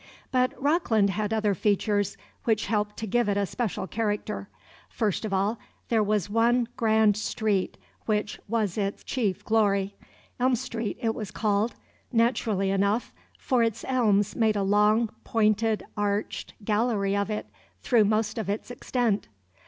But Rockland had other features which helped to give it a special character. First of all, there was one grand street which was its chief glory. Elm Street it was called, naturally enough, for its elms made a long, pointed arched gallery of it through most of its extent.